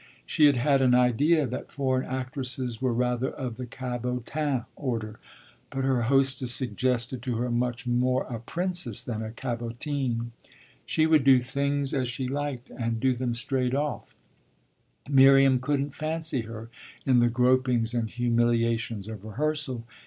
She had had an idea that foreign actresses were rather of the cabotin order, but her hostess suggested to her much more a princess than a cabotine. She would do things as she liked and do them straight off: Miriam couldn't fancy her in the gropings and humiliations of rehearsal.